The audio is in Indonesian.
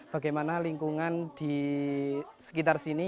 bagaimana lingkungan di sekitar sini